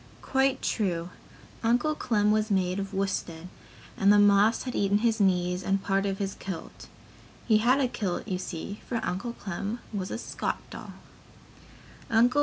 Quite true. Uncle Clem was made of worsted and the moths had eaten his knees and part of his kiltie. He had a kiltie, you see, for Uncle Clem was a Scotch doll.